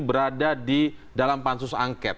berada di dalam pansus angket